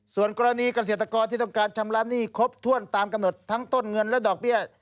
ส่วนกรณีเกษตรกรที่ต้องการชำระหนี้ครบถ้วนตามกำหนดทั้งต้นเงินและดอกเบี้ย